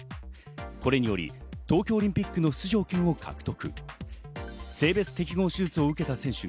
これにより東京オリンピックの出場権を獲得。